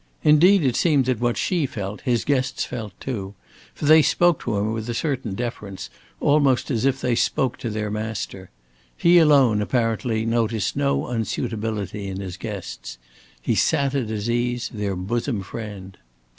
Indeed, it seemed that what she felt his guests felt too. For they spoke to him with a certain deference, almost as if they spoke to their master. He alone apparently noticed no unsuitability in his guests. He sat at his ease, their bosom friend.